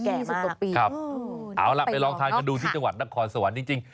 แก่มากครับโอ้โฮนักภัยนอกค่ะเอาล่ะไปลองทานกันดูที่จังหวัดนครสวรรค์จริง